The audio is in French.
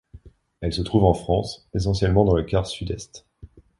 Elle se trouve en France essentiellement dans le quart Sud-Est.